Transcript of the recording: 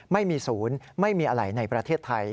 ไม่มีศูนย์ไม่มีอะไรในประเทศไทย